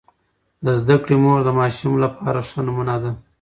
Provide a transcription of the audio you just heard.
د زده کړې مور د ماشوم لپاره ښه نمونه ده.